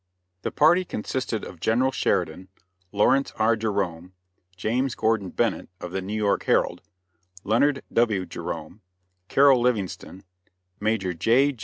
The party consisted of General Sheridan, Lawrence R. Jerome, James Gordon Bennett, of the New York Herald; Leonard W. Jerome, Carroll Livingston, Major J.